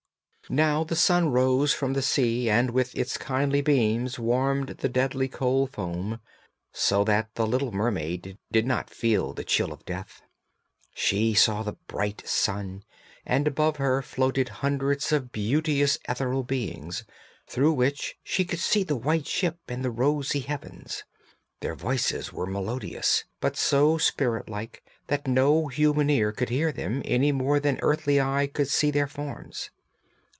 Now the sun rose from the sea and with its kindly beams warmed the deadly cold foam, so that the little mermaid did not feel the chill of death. She saw the bright sun, and above her floated hundreds of beauteous ethereal beings, through which she could see the white ship and the rosy heavens; their voices were melodious, but so spirit like that no human ear could hear them, any more than earthly eye could see their forms.